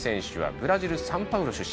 ブラジル・サンパウロ出身。